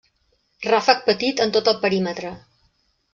Ràfec petit en tot el perímetre.